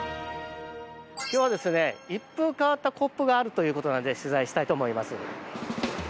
今日はですね一風変わったコップがあるということなんで取材したいと思います。